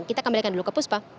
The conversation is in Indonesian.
kita kembalikan dulu ke puspa